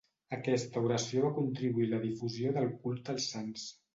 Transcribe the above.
Aquesta oració va contribuir a la difusió del culte als sants.